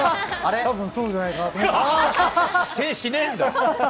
たぶん、否定しねえんだ。